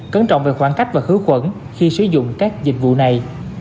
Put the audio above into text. cấn trọng về khoảng cách và khử khuẩn khi sử dụng các dịch vụ này